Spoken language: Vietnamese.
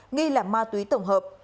nghi là ma túy tổng hợp